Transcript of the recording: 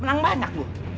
menang banyak lo